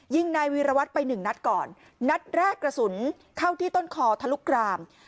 ยิงนายวีรวัตรไปหนึ่งนัดก่อนนัดแรกกระสุนเข้าที่ต้นคอทะลุกราม